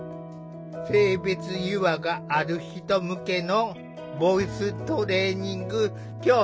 性別違和がある人向けのボイストレーニング教室。